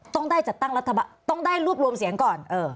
ต้องได้จัดตั้งรัฐบาลต้องได้รวบรวมเสียงก่อน